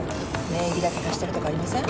名義だけ貸してるとかありません？